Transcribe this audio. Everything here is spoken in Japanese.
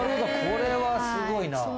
これは、すごいな。